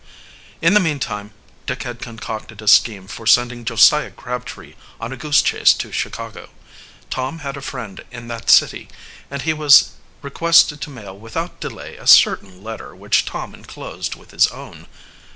In the meantime Dick had concocted a scheme for sending Josiah Crabtree on a goose chase to Chicago. Tom had a friend in that city, and he was requested to mail without delay a certain letter which Tom enclosed with his own.